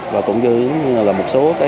và cũng như là một số các